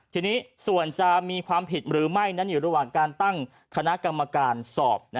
ทีนี้ส่วนจะมีความผิดหรือไม่นั้นอยู่ระหว่างการตั้งคณะกรรมการสอบ